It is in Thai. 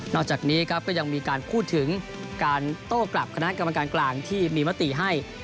อกจากนี้ครับก็ยังมีการพูดถึงการโต้กลับคณะกรรมการกลางที่มีมติให้